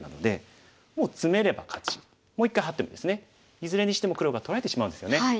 いずれにしても黒が取られてしまうんですよね。